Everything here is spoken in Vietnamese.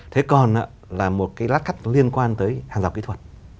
thế còn là một cái lát cắt liên quan tới hàng rào kỹ thuật